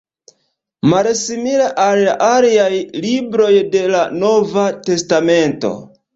Malsimile al la aliaj libroj de la Nova testamento.